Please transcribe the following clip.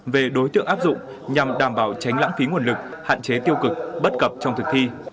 về đối tượng áp dụng nhằm đảm bảo tránh lãng phí nguồn lực hạn chế tiêu cực bất cập trong thực thi